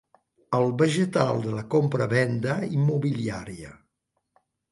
El vegetal de la compra-venda immobiliària.